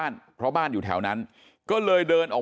มันต้องการมาหาเรื่องมันจะมาแทงนะ